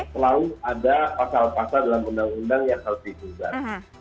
selalu ada pasal pasal dalam undang undang yang harus ditugas